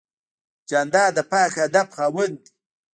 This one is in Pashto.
جانداد د پاک هدف خاوند دی.